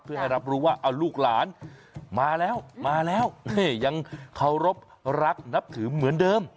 เพื่อให้รับรู้ว่าเอาลูกหลานมาแล้วมาแล้วนี่ยังเคารพรักนับถือเหมือนเดิม